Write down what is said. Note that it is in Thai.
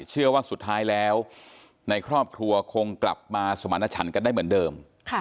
เชื่อว่าสุดท้ายแล้วในครอบครัวคงกลับมาสมรรถฉันกันได้เหมือนเดิม